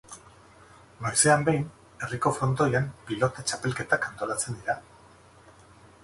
Noizean behin, herriko frontoian pilota txapelketak antolatzen dira.